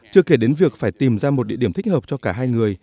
chưa kể đến việc phải tìm ra một địa điểm thích hợp cho cả hai người